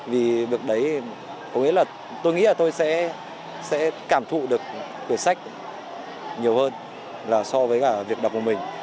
vì được đấy có nghĩa là tôi nghĩ là tôi sẽ cảm thụ được cuốn sách nhiều hơn so với cả việc đọc một mình